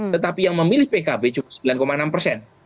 tetapi yang memilih pkb cuma sembilan enam persen